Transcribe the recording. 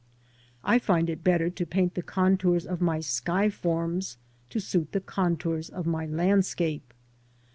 I find it better to paint the contours of my sky forms to suit the contours of my landscape.